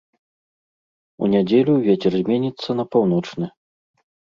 У нядзелю вецер зменіцца на паўночны.